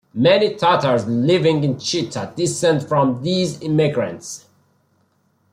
Many Tatars living in Chita descend from these immigrants.